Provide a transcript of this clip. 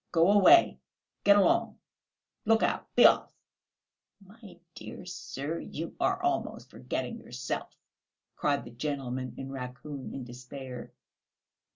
Go away; get along; look out; be off!" "My dear sir, you are almost forgetting yourself!" cried the gentleman in raccoon in despair.